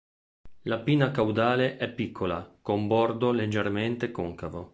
La pinna caudale è piccola, con bordo leggermente concavo.